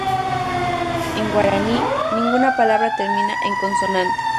En guaraní ninguna palabra termina en consonante.